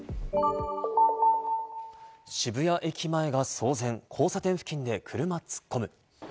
渋谷駅前が騒然、交差点付近で車突っ込む。